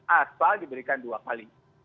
asal diberikan dua kali